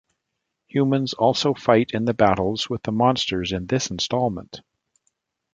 Humans also fight in the battles with the monsters in this installment.